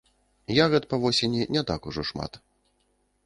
Ягад па восені не так ужо шмат.